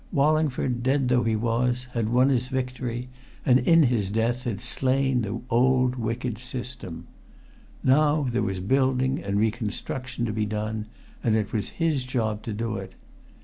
Wallingford, dead though he was, had won his victory and in his death had slain the old wicked system. Now there was building and reconstruction to be done, and it was his job to do it.